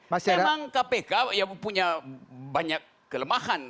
memang kpk ya punya banyak kelemahan